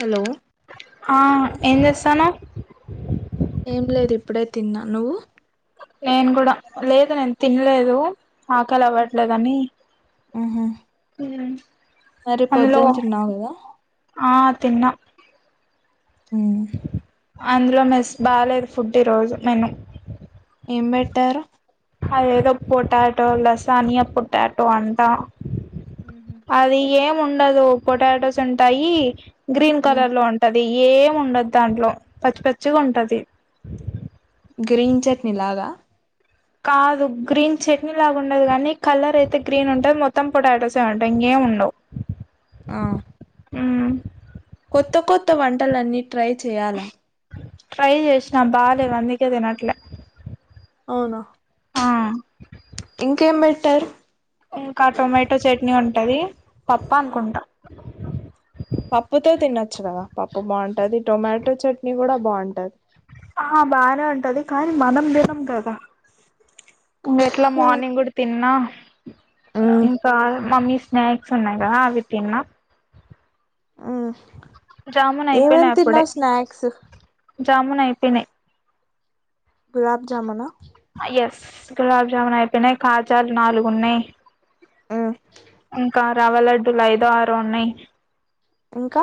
Hello ఆ ఏం చేస్తాఉన్నావ్ ఏం లేదు ఇప్పుడే తిన్నా నువ్వు నేను కూడా లేదు నేను తినలేదు ఆకలి అవ్వట్లేదని ఆహా మరి అందులో పొద్దున్న తిన్నావు కదా ఆ తిన్నా మ్ అందులో మెస్ బాగాలేదు ఫుడ్ ఈరోజు మెను ఏం పెట్టారు అద ఏదో పొటాటో లసాణయ పొటాటో అంటా అది ఏ ఉండదు పొటాటొస్ ఉంటాయి గ్రీన్ ఉమ్ కలర్లో ఉంటది ఏం ఉండదు దాంట్లొ పచ్చి పచ్చిగుంటది గ్రీన్ చెక్ని లాగా కాదు గ్రీన్ చట్నీ లాగా ఉండదు గనీ కలర్ ఐతే గ్రీన్ ఉంటది మోత్తం పొటటోసే టా ఇంగెం ఉండవ్ ఆ ఆ టలన్ని ట్రై చేయాలా ట్రై జేశ్న బాలేవ్ అందికే తినట్లే ఔనా ఆ ఇంకేం బెట్టారు ఇంక టొమాటో చట్నీ ఉంటది పప్ప అనుకుంట పప్పుతో తినొచ్చు గదా పప్పు బాంటది టొమాటో చట్నీ గుడా బాంటది ఆ బానే ఉంటది కానీ మనం తినం గదా ఇ ఎట్లా మార్నింగ్ గుడ్ తిన్నా ఇంకా మమ్మి స్నాక్స్ ఉన్నాయి గా అవి తిన్నా అ జామున్ ఏమేం అయిపోయినాయి అప్పుడే తిన్నవ్ స్నాక్స్ జామున్ అయిపేయినయ్ గులాబ్జామున అ ఎస్ గులాబ్జామున్ అయిపెయినాయ్ కాజాలు నాలుగున్నాయ్ మ్మ్ ఇంకా రావలడ్డులు ఐదో ఆరో ఉన్నయ్ ఇంక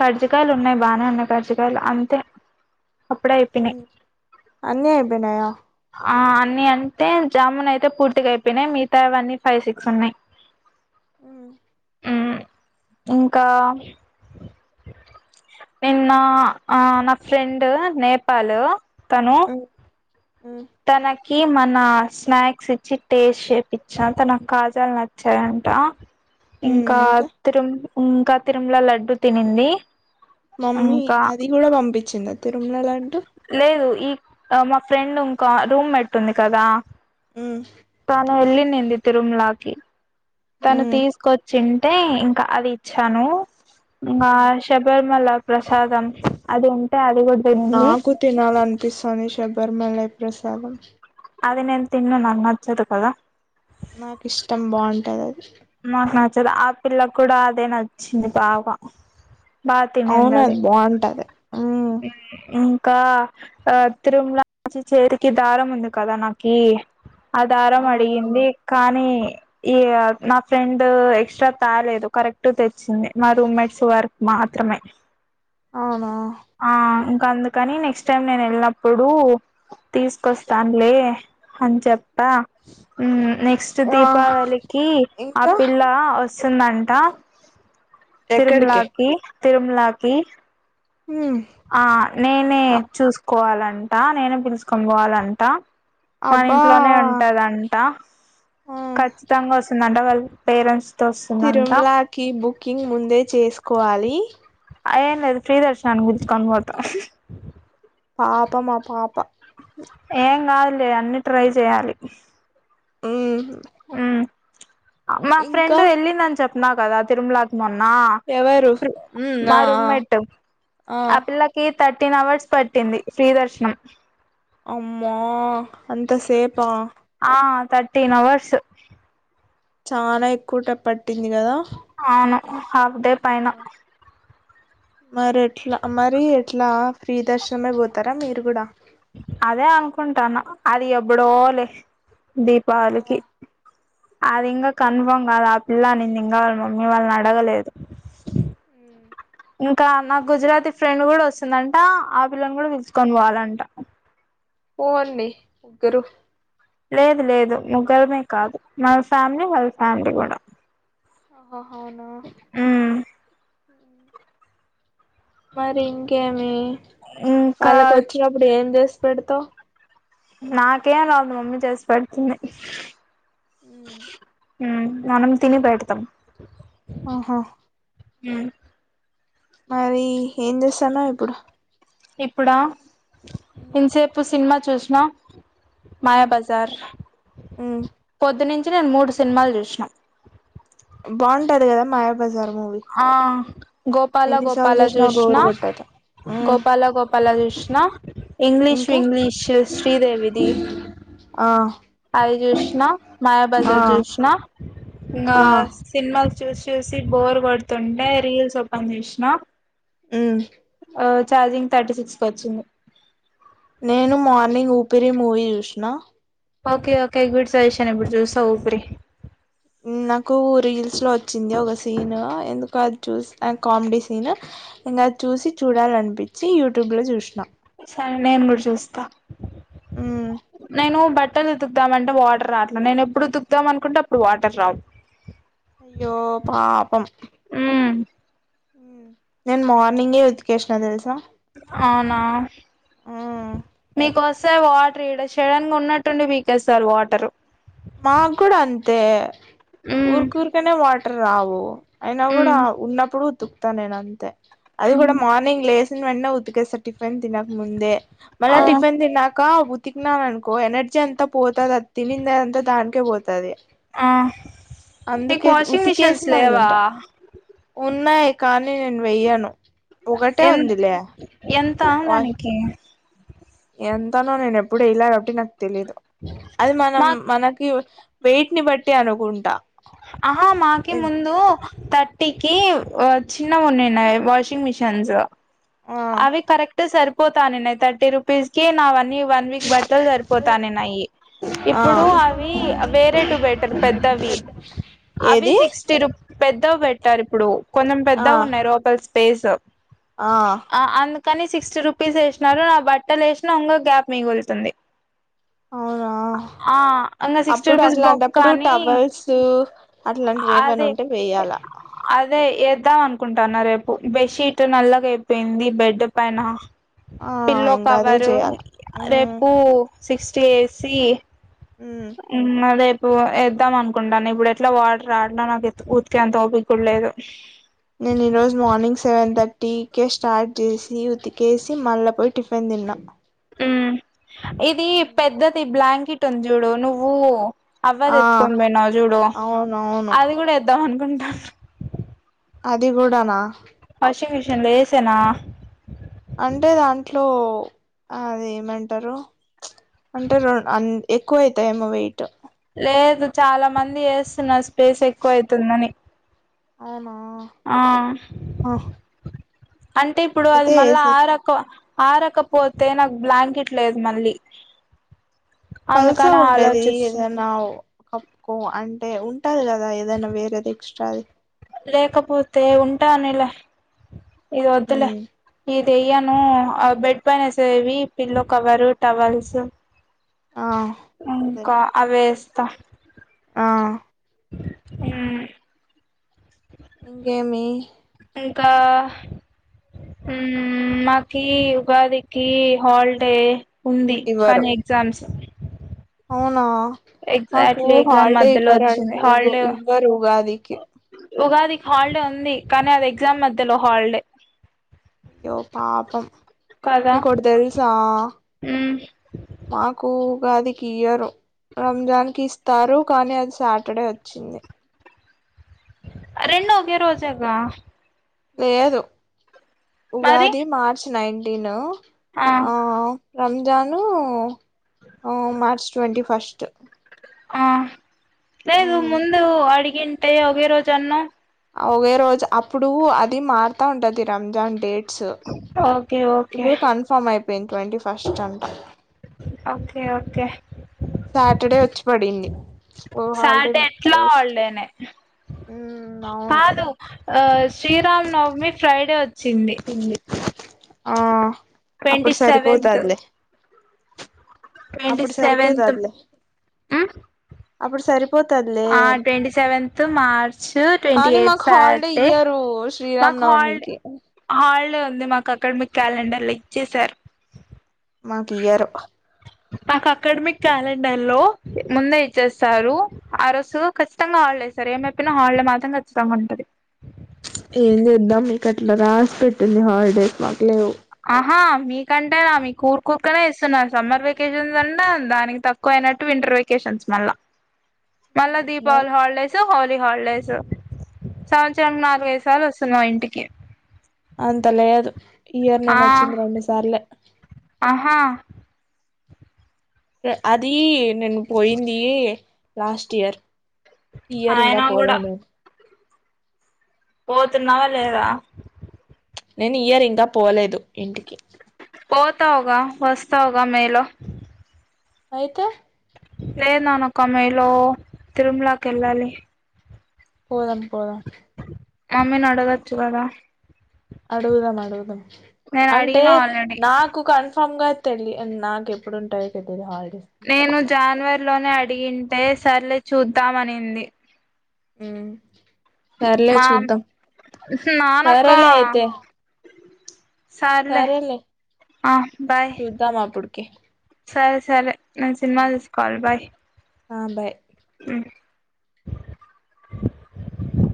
కజ్జికయలున్నాయి బానే ఉన్నాయి కడ్జికయలు అంతె అప్పుడే అయిపోయినాయి న్నయా ఆ అన్ని అంటే జామూన్ ఐతే పూర్తిగ అయిపోయినాయి మిగతావన్నీ ఫైవ్, సిక్స్ ఉన్నాయి ఉమ్ హమ్ ఇంకా నిన్నా ఆ న ఫ్రెండ్ నేపాలు తనూ ఉమ్ తన కి మనా స్నాక్స్ ఇచ్చి టేస్ట్ చేపిచ్చా తనక్ కాజాల్నచ్చాయంట ఇంకా తిరుమ్ ఇంకా తిరుమ్ల లడ్డు తినింది మమ్మి ఇంకా అది గుడా పంపించింద తిరుమ్ల లడ్డు లేదు ఈ మా ఫ్రెండ్ ఉన్ కా రూమెట్ ఉంది కదా మ్మ్ ఆ వెళ్ళిన్నింది తిరుమలాకి తను మ్మ్ తీసుకొచ్చింటే ఇంకా అది ఇచ్చాను ఆ శబర్మల ప్రసాదం అది అంటే అ నాకు తినాలి అనిపిస్తుంది శబ్ పర్మల ప్రసాదం అది నేన్ తిన్నా నాన్న నచ్చదు కదా నాకు ఇష్టం బాగుంట్ త మహా తరా ఆపిిల్ల కూడా అదే నచ్చింది బాగా అవునది బాగుంటది మ్మ్ మ్మ్ అక్క ఆ తిరుమలా నుంచి చేరికి దారం ఉంది కదా నాకి ఆధారం ఆ అవును అడిగింది కానీ ఈ మా ఫ్రెండ్ ఎక్స్ట్రా తాాలేదు కరెక్ట్ తెచ్చింది మా రూమ్మేట్స్ వర్క్ మాత్రమే అవునా ఆ ఇంకా అందుకని నెక్స్ట్ నెక్స్ట్ టైం నేను వెళ్ళినప్పుడు తీసుకొస్తాను లే అని చెప్ప మ్మ్ నెక్స్ట్ ఆ దీపావళికి ఆ ఇంకా పిల్ల వస్ స్తుందంట ఎక్కడికి తిరుమ్లాకి తిరుమలాకి మ్మ్ ఆ నేనే చూసుకోవాలన్ అంటా నేనే పిలుసుకొని పోవాలంట మన అబ్బా ఇంట్లోనే ఉంటదంట ఆ ఖచ్చితంగా వస్తుందంట వాల్ పేరెంట్స్ తో వస్తుందంట తిరుమ్లాకి బుకింగ్ ముందే చేసుకోవాలి ఏం లేద్ ఫ్రీ దర్శనానికి పిల్చుకోన్ పోతా పాపమ్ ఆ పాప ఏంగాద్ లే అన్ని ట్రై చేయాలి మ్ ఉ మా ఇంకా ఫ్రెండ్ వెళ్ళిందని చెప్ప ఉన్నా కదా తిరుమలాక్ మొన్నా ఎవరు మ్మ్ మా ఆ రుమ్మేట్ ఆ పిల్లకి థర్టీన్ అవర్స్ పట్టింది శ్రీ దర్శనం అమ్మా అంతా సేపా ఆ థర్టీన్ అవర్స్ చాలా ఎక్కువ టప్పట్ పటింది కదా ఆ హాఫ్ డే పైన మరి ఎట్లా మరి ఎట్లా ప్ర్రీ దర్శనమే పోతారా మీరు కూడా అదే అనుకుంటాను అది ఎప్పుడో లే దీపావళికి అది ఇంగా కన్ఫామ్ కాలా, ఆ పిల్ల అనింది ఇంగా వాళ్ళ మమ్మీ వాళ్ళని అడగలేదు ఇంకా నా గుజరాతీ ఫ్రెండ్ కూడా వస్తుందంట, ఆ పిల్లని కూడా పిలుచుకొని పోవాలంట. పోండి ముగ్గురు లేదు లేదు ముగ్గురమే కాదు మ ఫ్యామిలీ వాళ్ళ ఫ్యామిలీ కూడా అహవునా మ్మ్ మరి ఇంకేమి ఇంకా వాళ్ళకు వచ్చినప్పుడు ఏం చేస్ పెడత నాకేం రాదు మమ్మీ చేసి పెడుతుంది ఉ మ్ మనం తిని పెడతాం అహా ఉ మరి ఏం చేస్తన్నావు ఇప్పుడు ఇప్పుడా ఇంసేపు సినిమా చూసినా మాయాబజార్ ఉమ్ పొద్దునిన్ నేను మూడు సినిమాలు చూసినాను అదే కదా మాయాబజారు ఆ గోపాల ఎన్నిసార్లు గోపాల చూసినా జూష్ణ బోరు కొట్టదు ఉమ్ గోపాల గోపాల జూష్ణ ఇంగ్లీష్ ఇంకా వింగ్లీష్ శ్రీదేవిది ఆ అఐ జ్యూష్ణ ఆ మాయాబజార్ చ్యూష్ణ ఇంగా ఆ సినిమా చూసి చూసి బోర్ కొడుతుంటే రీల్స్ ఓపెన్ చేసినా ఉ ఆ ఛార్జింగ్ థర్టీ సిక్స్ కి వచ్చింది నేను మార్నింగ్ ఊపిరి మూవీ చూసిన ఓకే ఓకే గుడ్ సజెషన్ ఇప్పుడు చూస్తా ఊపిరి నాకు రీల్స్ లో వచ్చింది. ఒక సీను ఎందుకు అది చూసి కామెడీ సీను ఇంకా అది చూసి చూడాలనిపించి, యూట్యూబ్ లో చూసినా సరే నేను కూడా చూస్తా మ్మ్ నేను బట్ ఉతుకుదామంటే వాటర్ రాట్లా. నేను ఎప్పుడు ఉతు తుకుదాం అనుకుంటే, అప్పుడు వాటర్ రావు. అయ్యో పాపం మ్మ్. ఊ నేను మార్నింగే ఉతికేసినా తెలుసా అవునా మ్మ్ మీకోస్ సార్ వాటర్ ఇడ సడన్గా ఉన్నట్టుండి పీకే సార్ వాటర్ మాకు కూడా అంతే ఉమ్ ఉఊర్కుర్కనే వాటర్ రావు అయినా కూడా ఉన్నప్పుడు వద్దు త నేనంత అది కూడా మార్నింగ్ లేస్ వెన్న ఊతుకే సరిపోయింద్ తినక ముందే మళ్ల ఆ టిఫన్ తిన్నాక ఇంకా ఉతికినా అనుకో ఎనర్జీ అంత పోతది అది తినిండేది అంతా దానికే పోతది ఆ మీకు అందుకే వాషింగ్ ఉతికేసి మిషిన్స్ మళ్ళీ లేవా తింటా ఉన్నాయి కానీ నేను వెయ్యను ఒకటే ఎన్ ఉందిలే ఎన్ ఎంత ఆ వా దానికి ఎంతనో నేను ఎప్పుడు ఇయ్యలే కాబట్టి నాకు తెలీదు అది మనం మా మనకి వైట్ని బట్టి అనుకుంటా ఆహా మాకి ముందు తట్ టిక్కీ వ చిన్నగున్నాయి అవి వాషింగ్ మెషిన్సు ఆ అవి కరెక్టే సరిపో పోతానే థర్టీ రుపీస్ కి నావన్ని వన్ వీక్ బట్టలు సరిపోతాననాయి ఆ ఇప్పుడు అవి వేరే టు బెటర్ పెద్దవి అవి ఏది సిక్స్టీ రూ పెద్ద పెట్టారు ఇప్పుడు కొంచెం ఆ పెద్ద ఉన్నాయి రోపయి స్పేస్ ఆ కానీ సిక్స్టీ రూపీస్ వేసినారు నా బట్టలు వేసినా ఓంగ గ్యాప్ మిగులుతుంది అవునా ఆ ఇంగ సిక్స్టీ అప్పుడు రూపీస్ బొక్క అట్లాంటప్పుడు అని టవల్స్ అట్లాంటివి ఏవనా అదే ఉంటే వేయాల ద్దాం అనుకుంటుాను రేపు బెడ్ షీట్ నల్లగ అయిపోయింది బెడ్ పైన ఆ పిల్లోకి ఇంకా అదే అవరు చేయాల మ్మ్ రేపు సిక్స్టీ ఏసి మ్మ్ ఉ అదే ఎద్దాం అనుకుంటాను ఇప్పుడు ఎట్లా వాడర్ ఆడలో నాకు ఉతికేంత ఓపడ లేదు నేను ఈ రోజు మార్నింగ్ సెవెన్ థర్టీ టీకే స్టార్ట్ చేసి ఉతికేసి మళ్ళీపోయి టిఫిన్ తిన్నాం మ్ ఇది పెద్ద ఈ బ్లాంకెట్ వంద జూడు నువ్వు అవ్వది ఆ ఎత్తుకొని పోయినా చూడు అవునవును అది కూడా ఎద్దాం అనుకుంటాను అది కూడానా వాషింగ్ మిషన్ లో ఏేసేనా అంటే దాంట్లో అది ఏమంటారు అంటే రం అ ఎక్కువ అవుతాయేమో వెయిట్ లేదు చాలా మంది వస్తున్నారు స్పేస్ ఎక్కువ అవుతుందని అవునా ఆ ఆ, అంటే ఇప్పుడు అది అయితే మళ్ళా ఏసి ఆ రకం ఆరకపోతే నాకు బ్లాంకెట్ లేదు మళ్ళీ పలుసా అందుకని ఉండేది ఆలోచిస్తున్న ఏదనా కప్పుకో అంటే ఉట్టదు కదా ఏదైనాేద వేరే టెక్ట్ టాయ్ లేకపోతే ఉంటానిలా ఇది వద్దులే ఉమ్ ఇది తయ్యను బెడ్ పైన వేసేవి పిల్లో కవరు టవల్స్ ఆ అదే ఇకా అవే స్ తా ఆ హ్ము ఇంకేమి ఇంకా మాకి ఉగాదికి హాలిడే ఉంది ఇవ్వరు కానీ ఎగ్జామ్స్ అవునా మాకు ఎగ్జాక్ట్లీ ఎగ్జామ్ హల్డే మధ్యలో ఇవ్వరు వచ్చింది ఉ హాలిడే ఇవ్వరు ఉగాదికి ఉగాదికి హాలిడే ఉంది కానీ అది ఎగ్జామ్ మధ్యలో హాలిడే అయ్యో పాపం కదా నీకు ఒకటి తెలుసా మ్మ్ మాకు ఉగాదికి ఇయరూ రంజాన్ కి ఇస్తారు కానీ అది సాటర్డే వోచ్చింది. రెండు ఒకే రోజేగా లేదు మరి ఉగాది మార్చ్ నైన్ టిన్న ఆ ఆ రంజాను హా మార్చ్ ట్వంటీ ఫస్ట్ ఆ లేదు ఉమ్ ముందు వాడి ఎంటే ఒకే రోజాన్నావ్ ఒకే రోజు అప్పుడు అది మారుతా ఉంటది Ramzan dates okay okay ఇప్పుడు కన్ఫర్మ్ అయిపో యిన్ ట్వంటీ ఫస్ట్ అంట ఓకే ఓకే సాటర్డే వోచ్చి పడింది ఓ హాలిడే సాటర్డే ఎట్లా వేస్ట్ హాలిడేనే హ్ అవును కాదు ఆ శ్రీరామ్ నవమి ఫ్రైడే వోచ్చింది పింది ఆ అప్పుడు సరిపోతదిలే ట్వంటి సెవెంత్ సరిపోతాదిలే హ్ అప్పుడు సరి ఆ ట్వంటీ సెవెంత్ మార్చ్ ట్వంటీ కానీ ఎయిత్ మాకు హాలిడే సట్డే ఇయ్యరు శ్రీరామ్ మాకు హాల్ నవమికి హాల్డే వా చింది మాకు అకాడమిక్ క్యాలెండర్ ఇచ్చే చేశారు మాకు ఇయరూ నాకు అకాడమిక్ క్యాలెండర్ లో ముందే ఇచ్చేస్తారు. ఆ రోజు ఖచ్చితంగా హాలిడే ఇస్తారు. ఏమైపోయినా హాలిడే మాత్రం ఖచ్చితంగా ఉంటది. ఏం చేద్దాం మీకు అట్లా రాసి పెట్టుంది. హాలిడేస్ మాకు లేవు హా మీకంటేనా మీ ఉరు ఊరుకనే ఇస్తున్నారు. సమ్మర్ వెేకేషన్స్ అంట దానికి తక్కువ అయినట్టు వింటర్ వెకేషన్స్ మళ్ళా మల్ల మరి దీపావలీ హాలిడేస్ హో హాలిడేస్ సంవత్సరం నాలుగైదు సార్లు వస్తున్నావు ఇం టికే అంతలేదు ఇయర్ నేను వచ్చింది రెండు సార్లే ఆహా యా అది నేను పోయింది లాస్ట్ ఇయర్ యియర్ ఇంగా అయినా పోల కూడా నేను పోతున్నావా లేదా నేను ఈ ఇయర్ ఇంకా పోలేదు ఇంటికి పోతావుగా వస్తావుగా మేలో అయితే నే ననుకో మే లో తిరుమ్లాకెళ్ళాలి పోదాం పోదాం మమ్మీ నీ అడగొచ్చు కదా అడుగుదాం అడుగుదాం నేను అంటే అడిగిన ఆల్రెడీ నాకు కన్ బంగార్ తల్లి అని నాక్ ఎప్పుడు ఉంటాయో పెద్దగా నేను జాన్వరి ఇంట్లోనే అడిగింటే సర్లే చూద్దామనింది మ్మ్ మా నానాక్క సరేలే అయితే సర్లే సరేలే ఆ బాయ్ చూద్దాం అప్పుడుకి సరే సరే నేను సినిమా చూసుకోవాలి బాయ్ ఆ బాయ్ [inaudible]